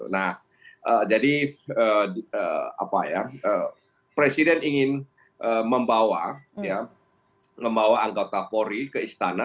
nah jadi presiden ingin membawa anggota polri ke istana